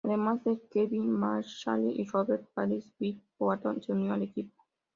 Además de Kevin McHale y Robert Parish, Bill Walton se unió al equipo.